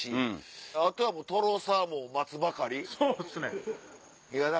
あとはとろサーモンを待つばかり。